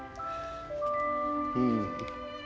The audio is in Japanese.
うん。